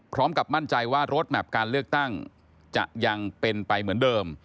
พร้อมกับมั่นใจว่ารถแมพการเลือกตั้งจะยังเป็นไปเหมือนเดิม